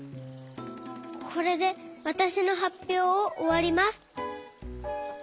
これでわたしのはっぴょうをおわります。